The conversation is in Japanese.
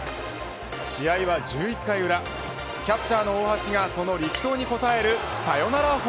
試合は１１回裏キャッチャーの大橋がその力投に応えるサヨナラ